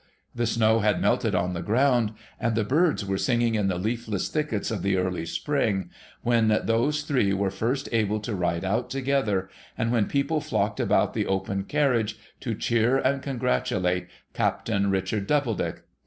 The snow had melted on the ground, PEACEFUL DAYS 79 and the birds were singing in the leafless thickets of the early spring, when those three were first able to ride out together, and when people flocked about the open carriage to cheer and congratulate Captain Richard Doubledick.